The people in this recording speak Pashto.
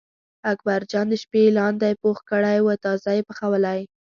اکبرجان د شپې لاندی پوخ کړی و تازه یې پخولی.